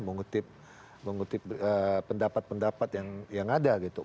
mengutip pendapat pendapat yang ada gitu